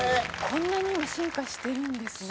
こんなに今進化してるんですね。